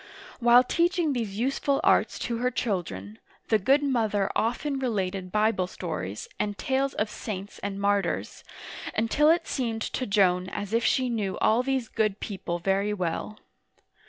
While teaching these useful arts to her children, the good mother often related Bible stories, and tales of saints and martyrs, until it seemed to Joan as if she knew all these good people very well.